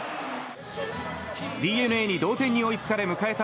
ＤｅＮＡに同点に追いつかれ迎えた